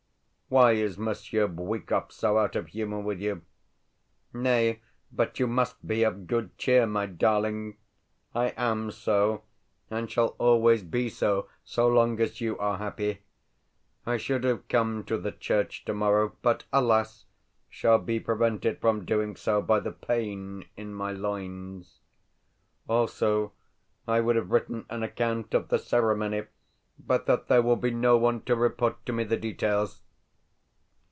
Why is Monsieur Bwikov so out of humour with you? Nay, but you must be of good cheer, my darling. I am so, and shall always be so, so long as you are happy. I should have come to the church tomorrow, but, alas, shall be prevented from doing so by the pain in my loins. Also, I would have written an account of the ceremony, but that there will be no one to report to me the details....